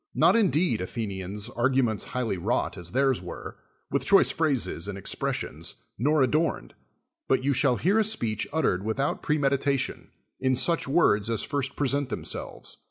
Not indeed, Athenians, arguments highly wrought, as theirs were, with choice phrases and expres sions, nor adorned, but you shall hear a speech uttered without premeditation, in such words as first present themselves.